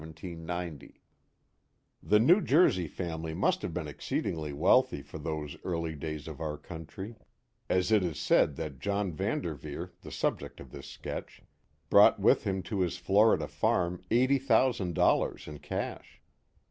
410 The Mohawk Valley The New Jersey family must have been exceedingly wealthy for those early days of our country, as it is said that John Van Dervcer, the subject of this sketch, brought with him to his Florida (arm eighty thousand dollars in casb.